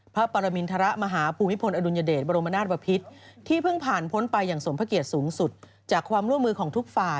พระปรมินทรมาฮาภูมิพลอดุญเดตบรมนาศปภิษฐ์